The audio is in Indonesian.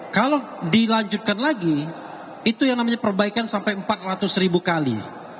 kalau dilanjutkan lagi itu yang namanya perbaikan sampai empat ratus ribu kali